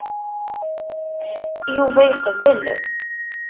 Yuba iqbel.